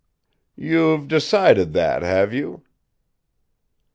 "You've decided that, have you?"